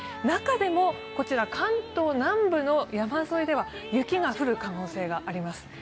中でも、関東南部の山沿いでは雪が降る可能性があります。